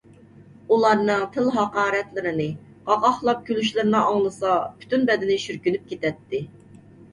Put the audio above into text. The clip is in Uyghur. ئۇلارنىڭ تىل-ھاقارەتلىرىنى، قاقاھلاپ كۈلۈشلىرىنى ئاڭلىسا پۈتۈن بەدىنى شۈركۈنۈپ كېتەتتى.